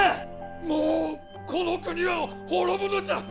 もうこの国は滅ぶのじゃ！